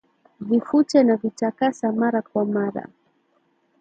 Vifute na vitakasa mara kwa mara